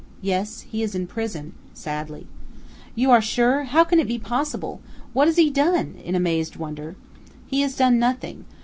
"Yes, he is in prison," sadly. "You are sure? How can it be possible? What has he done?" in amazed wonder. "He has done nothing.